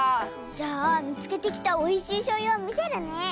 じゃあみつけてきたおいしいしょうゆをみせるね。